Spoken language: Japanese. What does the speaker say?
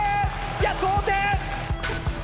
いや同点！